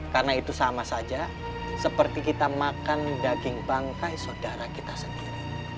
karena itu sama saja seperti kita makan daging bangkai saudara kita sendiri